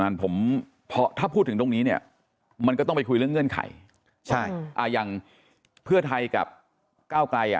อย่างเพื่อไทยกับก้าวไกร